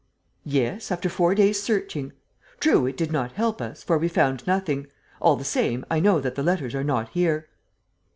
"Yes, after four days' searching. True, it did not help us, for we found nothing. All the same, I know that the letters are not here."